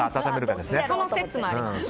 その説もありますね。